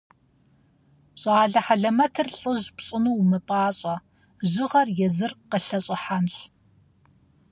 Щӏалэ хьэлэмэтыр лӏыжь пщӏыну умыпӏащӏэ, жьыгъэр езыр къылъэщӏыхьэнщ.